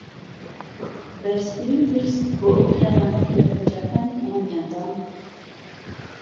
پەرزترین ترس بۆ ئەو پیاوانەیە کە لە پەنجانکانی تەمەنیاندان.......